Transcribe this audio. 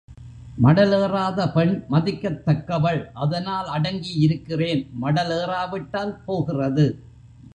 மடலேறாத பெண் மதிக்கத் தக்கவள் அதனால் அடங்கி இருக்கிறேன்! மடல் ஏறாவிட்டால் போகிறது.